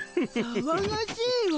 さわがしいわ。